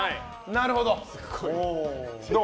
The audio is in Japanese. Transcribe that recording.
なるほど。